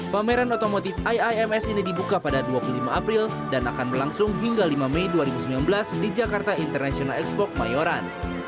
pameran otomotif iims ini dibuka pada dua puluh lima april dan akan berlangsung hingga lima mei dua ribu sembilan belas di jakarta international expok mayoran